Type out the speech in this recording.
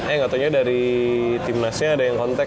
eh gatau nya dari timnasnya ada yang kontak